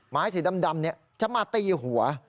ไม้สีดำจะมาตีหัว